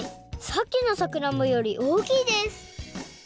さっきのさくらんぼよりおおきいです